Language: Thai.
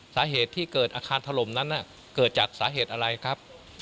สาเหตุที่เกิดอาคารถล่มนั้นเกิดจากสาเหตุอะไรครับ